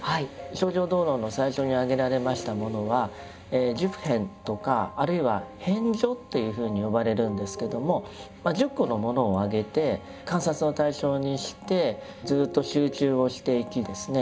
「清浄道論」の最初に挙げられましたものは「十遍」とかあるいは「遍処」というふうに呼ばれるんですけども１０個のものをあげて観察の対象にしてずっと集中をしていきですね